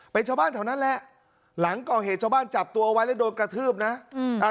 เป็นชาวบ้านแถวนั้นแหละหลังก่อเหตุชาวบ้านจับตัวไว้แล้วโดนกระทืบนะอืมอ่า